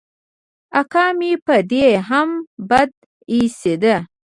اکا مې په دې هم بد اېسېد.